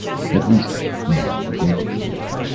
At least no one endeavored to.